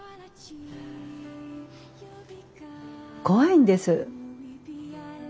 怖いんです。